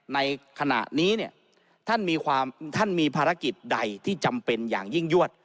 ในขณะนี้เนี่ยท่านมีภารกิจใดที่จำเป็นอย่างยิ่งยวด